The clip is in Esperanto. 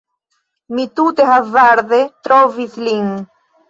Mi tute hazarde trovis lin